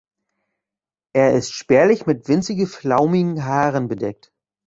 Er ist spärlich mit winzige flaumigen Haaren bedeckt.